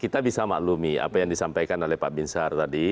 kita bisa maklumi apa yang disampaikan oleh pak binsar tadi